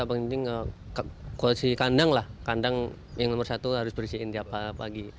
yang paling penting kursi kandang lah kandang yang nomor satu harus bersihin tiap pagi